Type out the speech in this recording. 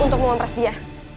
untuk memperas dia